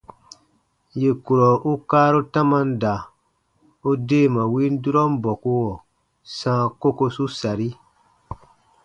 Yè kurɔ u kaaru tamam da, u deema win durɔn bɔkuɔ sãa kokosu sari.